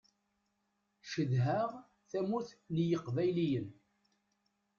Cedhaɣ tamurt n yiqbayliyen.